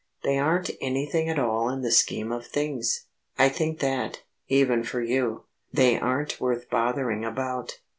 They aren't anything at all in the scheme of things. I think that, even for you, they aren't worth bothering about.